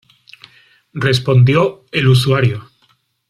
Respondió: "el usuario".